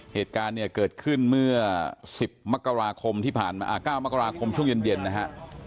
เหตุการณ์เนี่ยเกิดขึ้นเมื่อ๑๐มกราคมที่ผ่านมา๙มกราคมช่วงเย็นนะฮะ